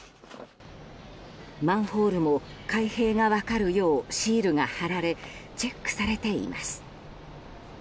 マンホールも開閉が分かるようシールが貼られチェックされています。